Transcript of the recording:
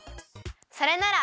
それなら！